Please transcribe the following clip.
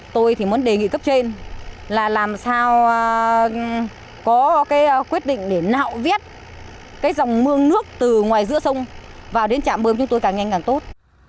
tôi thì muốn đề nghị cấp trên là làm sao có quyết định để nạo vét dòng mương nước từ ngoài giữa sông vào đến chạm bơm chúng tôi càng nhanh càng tốt